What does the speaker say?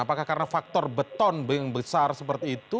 apakah karena faktor beton yang besar seperti itu